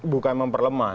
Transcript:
bukan memperlemah ya